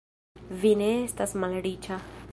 Vi ne estas malriĉa.